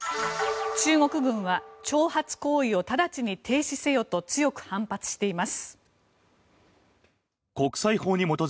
中国軍は挑発行為を直ちに停止せよと強く反発しています。